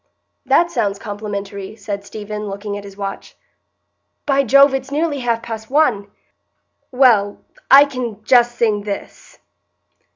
"That sounds complimentary," said Stephen, looking at his watch. "By Jove, it's nearly half past one! Well, I can just sing this."